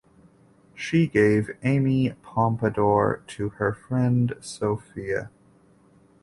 She gave Amy Pompadour to her friend Sophia.